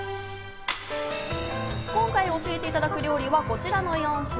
今回教えていただく料理はこちらの４品。